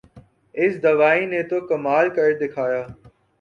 اس دوائی نے تو کمال کر دکھایا